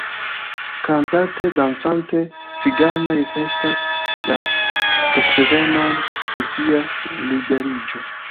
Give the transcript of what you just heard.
Kantante, dancante, ciganoj festas la datrevenon de sia liberiĝo.